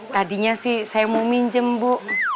tadinya sih saya mau minjem bu